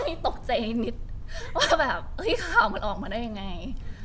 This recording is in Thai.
พี่ตกใจนิดว่าแบบข่าวมันออกมาได้ยังไง